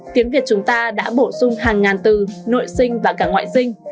tiếng việt chúng ta đã bổ sung hàng ngàn từ nội sinh và cả ngoại sinh